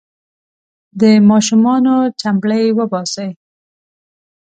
د ماشومانو چمبړې وباسي.